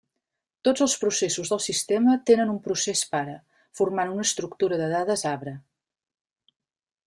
Tots els processos del sistema tenen un procés pare, formant una estructura de dades arbre.